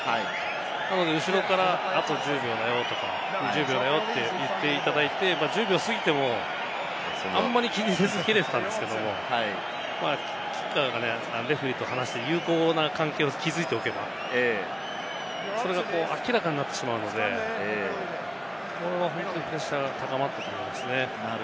なので後ろから１０秒だよとか言っていただいて、１０秒過ぎても、あんまり気にせずにやれてたんですけれど、キッカーがね、レフェリーと話して友好な関係を築いていれば、それが明らかになってしまうので、これは本当にプレッシャーが高まってきますね。